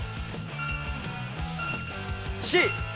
Ｃ。